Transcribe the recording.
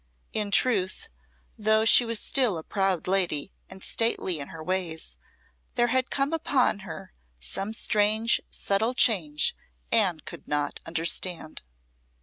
In truth, though she was still a proud lady and stately in her ways, there had come upon her some strange subtle change Anne could not understand.